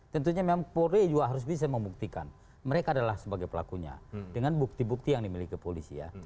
tentunya memang polri juga harus bisa membuktikan mereka adalah sebagai pelakunya dengan bukti bukti yang dimiliki polisi ya